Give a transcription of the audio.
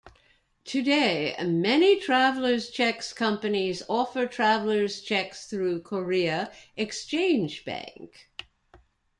Today, many Travellers Cheques companies offer travellers cheques through Korea Exchange Bank.